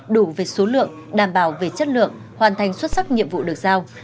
đủ về số lượng đảm bảo về chất lượng hoàn thành xuất sắc nhiệm vụ được giao